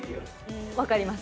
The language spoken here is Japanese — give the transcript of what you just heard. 分かります。